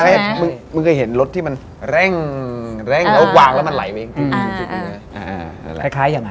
ใช่มึงเคยเห็นรถที่มันเร่งแล้วกวางมันไหลไว้